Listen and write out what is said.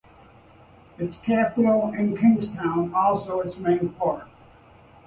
Its capital is Kingstown, also its main port.